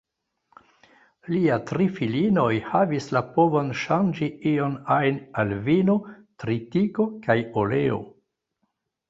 Lia tri filinoj havis la povon ŝanĝi ion-ajn al vino, tritiko kaj oleo.